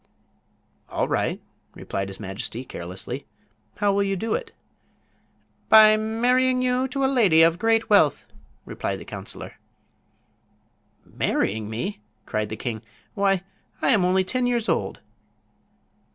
"All right," replied his majesty, carelessly. "How will you do it?" "By marrying you to a lady of great wealth," replied the counselor. "Marrying me!" cried the king. "Why, I am only ten years old!"